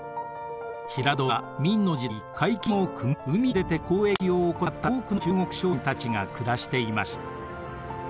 平戸は明の時代海禁をくぐり抜け海へ出て交易を行った多くの中国商人たちが暮らしていました。